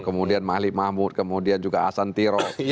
kemudian mahli mahmud kemudian juga ahsan tiroh